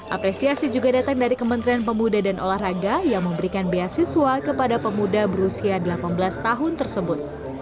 apresiasi juga datang dari kementerian pemuda dan olahraga yang memberikan beasiswa kepada pemuda berusia delapan belas tahun tersebut